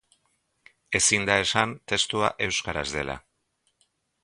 Ezin da esan testua euskaraz dela.